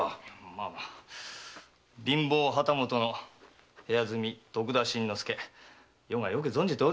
まあまあ貧乏旗本の部屋住み徳田新之助余が存じておる。